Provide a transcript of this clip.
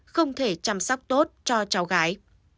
không thể chăm sóc tốt cho cháu gái